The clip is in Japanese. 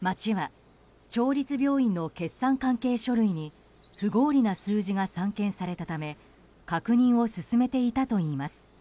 町は町立病院の決算関係書類に不合理な数字が散見されたため確認を進めていたといいます。